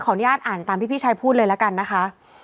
อนุญาตอ่านตามที่พี่ชายพูดเลยละกันนะคะ